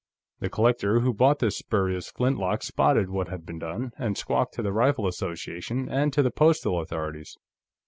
The collector who bought this spurious flintlock spotted what had been done, and squawked to the Rifle Association, and to the postal authorities."